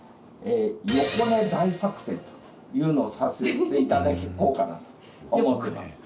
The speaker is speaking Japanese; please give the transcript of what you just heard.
「横寝大作戦」というのをさせていただこうかなと思ってます。